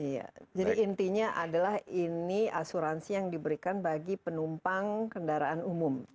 iya jadi intinya adalah ini asuransi yang diberikan bagi penumpang kendaraan umum